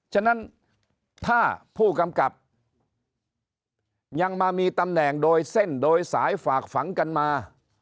ฉะนั้นถ้าผู้กำกับยังมามีตำแหน่งโดยเส้นโดยสายฝากฝังกันมา